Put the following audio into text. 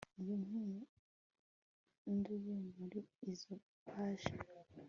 iyo mpinduye muri izo page